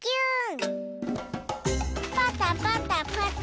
パタパタパタ。